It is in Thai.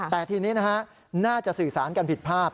แต่ทีนี้นะฮะน่าจะสื่อสารกันผิดภาพ